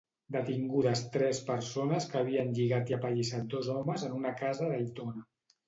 Detingudes tres persones que havien lligat i apallissat dos homes en una casa d'Aitona.